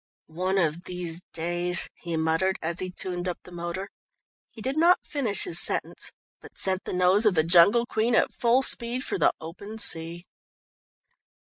"One of these days ..." he muttered, as he tuned up the motor. He did not finish his sentence, but sent the nose of the Jungle Queen at full speed for the open sea.